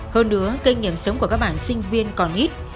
hơn nữa kinh nghiệm sống của các bạn sinh viên còn ít